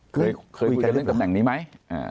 เคยคุยกันเรื่องตำแหน่งนี้ไหม